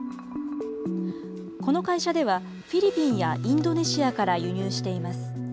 この会社では、フィリピンやインドネシアから輸入しています。